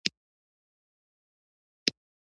د تشویقولو په تخنیک پوهېدل.